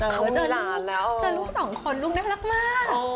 แล้วจะเห็นลูก๒คนลูกน่ารักมาก